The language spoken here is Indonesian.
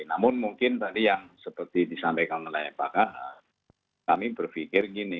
namun mungkin tadi yang seperti disampaikan oleh pak kahar kami berpikir gini